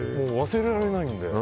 忘れられないんで。